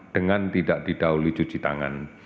dengan tidak didahului cuci tangan